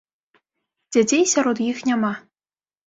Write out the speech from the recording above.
Дзяцей сярод іх няма.